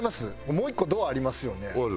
もう１個ドアありますよね。